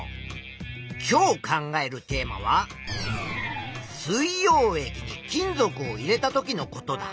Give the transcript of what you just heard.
今日考えるテーマは水よう液に金属を入れたときのことだ。